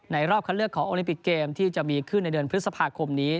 รอบคันเลือกของโอลิมปิกเกมที่จะมีขึ้นในเดือนพฤษภาคมนี้